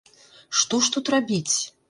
Што ж тут рабіць?